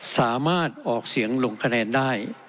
สามารถออกเสียงลงคะแนนได้